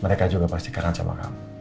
mereka juga pasti kaget sama kamu